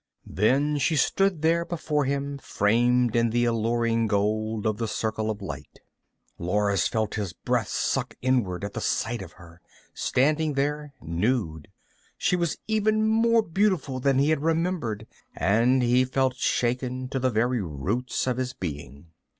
Then she stood there, before him, framed in the alluring gold of the circle of light. Lors felt his breath suck inward at the sight of her, standing there nude. She was even more beautiful than he had remembered and he felt shaken, to the very roots of his being.